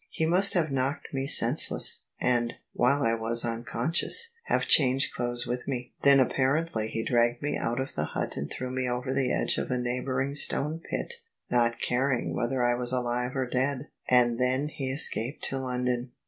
He must have knocked me senseless, and, while I was unconscious, have changed clothes with me. Then apparently he dragged me out or the hut and threw me over the edge of a neighbouring stone pit, not caring whether I was alive or dead. And then he escaped to London."